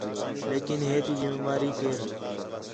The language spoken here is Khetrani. لیکن ہے تی ذِمہ واری کیئر